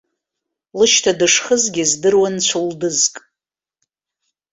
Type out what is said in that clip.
Лышьҭа дышхызгьы здыруан цәылдызк.